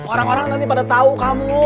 orang orang nanti pada tahu kamu